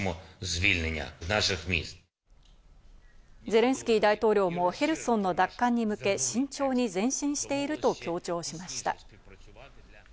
ゼレンスキー大統領もヘルソンの奪還に向け、慎重に前進していると強調しました。